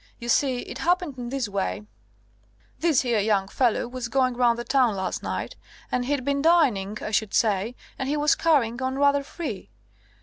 You see it happened in this way: this here young fellow was going round the town last night; and he'd been dining, I should say, and he was carrying on rather free.